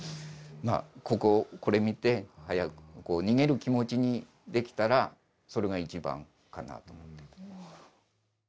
まあこここれ見て早くこう逃げる気持ちにできたらそれが一番かなと思って。